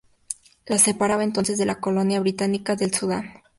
La separaba entonces de la colonia británica del Sudán.